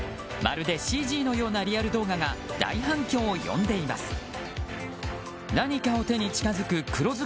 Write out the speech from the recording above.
まるでＣＧのようなリアル動画が大反響を呼んでいます。